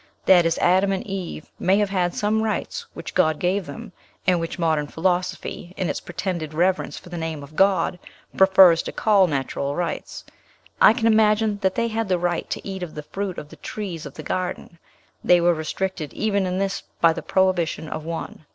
That is, Adam and Eve may have had some rights which God gave them, and which modern philosophy, in its pretended reverence for the name of God, prefers to call natural rights. I can imagine they had the right to eat of the fruit of the trees of the garden; they were restricted even in this by the prohibition of one.